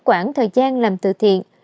quảng thời gian làm tự thiện